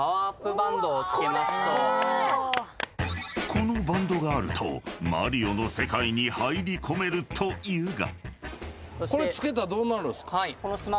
［このバンドがあると『マリオ』の世界に入り込めるというが］